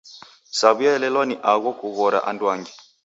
Saw'iaelelwa ni agho kughoragha anduangi.